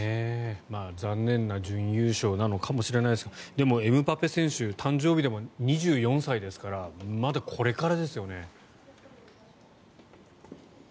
残念な準優勝なのかもしれないですがでも、エムバペ選手誕生日でも２４歳ですからまだこれからですよね。